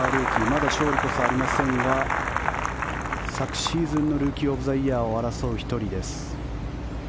まだ勝利こそありませんが昨シーズンのルーキー・オブ・ザ・イヤーを争う１人です。